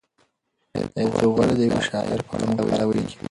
ایا ته غواړې د یو شاعر په اړه مقاله ولیکې؟